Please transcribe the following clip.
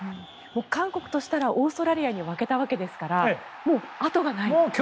韓国としたらオーストラリアに負けたわけですからもうあとがないという。